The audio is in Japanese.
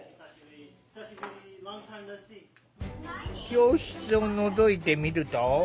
教室をのぞいてみると。